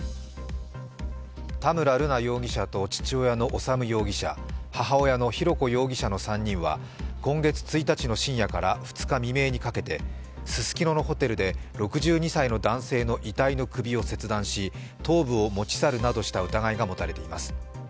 田村瑠奈容疑者と父親の修容疑者、母親の浩子容疑者の３人は今月１日の深夜から２日未明にかけて、ススキノのホテルで６２歳の男性の遺体の首を切断し頭部を持ち去るなどした疑いが持たれています。